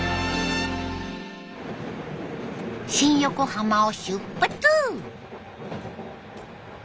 新横浜を出発！